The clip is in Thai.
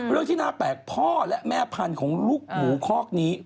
เรื่องที่น่าแปลกพ่อและแม่พันธุ์ของลูกหมูคอกนี้